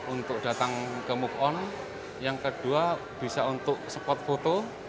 untuk datang ke move on yang kedua bisa untuk spot foto